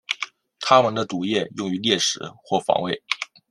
它们的毒液用于猎食或防卫。